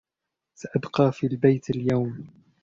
سأبقى في البيت اليوم.